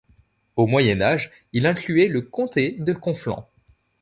Au Moyen-Âge, il incluait le comté de Conflent.